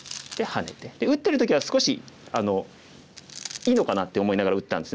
打ってる時は少しいいのかなって思いながら打ってたんですね。